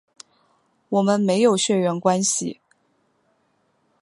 我们没有血缘关系